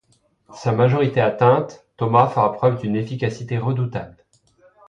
Sa majorité atteinte, Thomas fera preuve d'une efficacité redoutable.